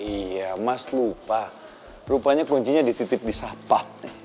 iya mas lupa rupanya kuncinya dititip di sapa